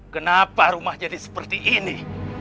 kenapa rumah jadi seperti ini